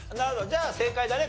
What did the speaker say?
じゃあ正解だね